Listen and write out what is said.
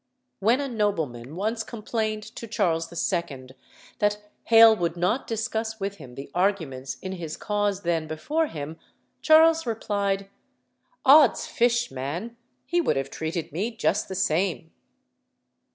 When a nobleman once complained to Charles II. that Hale would not discuss with him the arguments in his cause then before him, Charles replied, "Ods fish, man! he would have treated me just the same."